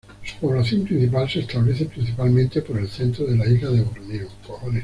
Su población principal se establece principalmente por el centro de la isla de Borneo.